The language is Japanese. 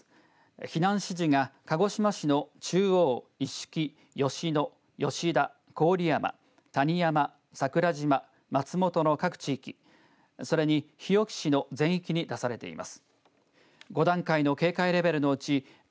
避難指示が鹿児島市の中央、伊敷吉野、吉田、郡山、谷山、桜島松元の各地域それに日置市の全域に出されています。